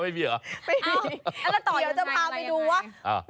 อ่ะไม่มีเหรอไม่มีแล้วต่ออย่างยังไงอย่างไรอย่างไรอ้าว